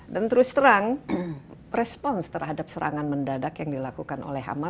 dan terus terang respons terhadap serangan mendadak yang dilakukan oleh hamas